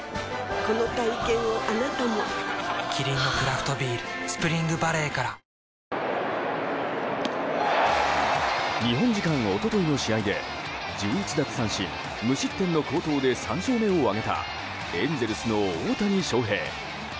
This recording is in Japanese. この体験をあなたもキリンのクラフトビール「スプリングバレー」から日本時間一昨日の試合で１１奪三振、無失点の好投で３勝目を挙げたエンゼルスの大谷翔平。